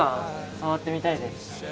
触ってみたいです。